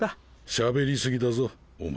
しゃべり過ぎだぞお前。